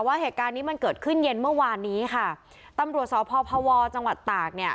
ว่าเหตุการณ์นี้มันเกิดขึ้นเย็นเมื่อวานนี้ค่ะตำรวจสพพวจังหวัดตากเนี่ย